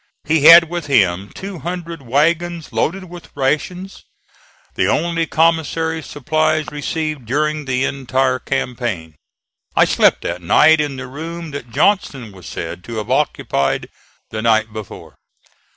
He had with him two hundred wagons loaded with rations, the only commissary supplies received during the entire campaign. I slept that night in the room that Johnston was said to have occupied the night before.